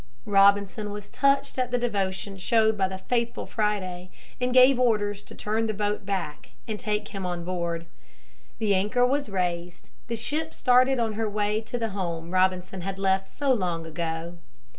Robinson was touched at the devotion showed by the faithful Friday, and gave orders to turn the boat back, and take him on board. The anchor was raised. The ship started on her way to the home Robinson had left so long ago.